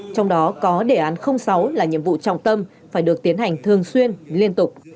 trong đó có đề án sáu là nhiệm vụ trọng tâm phải được tiến hành thường xuyên liên tục